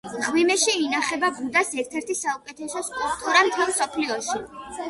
მღვიმეში ინახება ბუდას ერთ-ერთი საუკეთესო სკულპტურა მთელ მსოფლიოში.